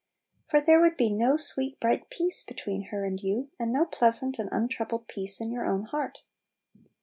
For there would be no sweet, bright peace between her and you, and no pleasant and untroubled peace in your own heart.